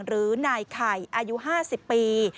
หรือนายไข่อายุ๕๐ปี